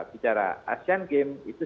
bicara asian game itu